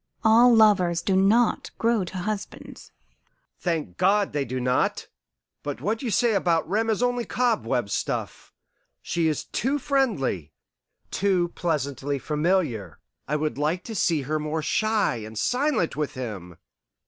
All lovers do not grow to husbands." "Thank God, they do not! But what you say about Rem is only cobweb stuff. She is too friendly, too pleasantly familiar, I would like to see her more shy and silent with him.